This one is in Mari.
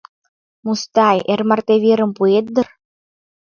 Мустай, эр марте верым пуэт дыр?